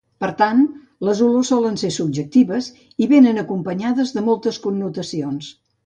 Per tant, les olors solen ser subjectives i venen acompanyades de moltes connotacions